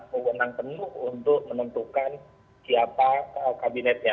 kewenang penuh untuk menentukan siapa kabinetnya